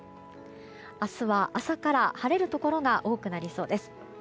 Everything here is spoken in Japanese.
明日は朝から晴れるところが多くなりそうです。